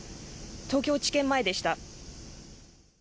東京地検前でした。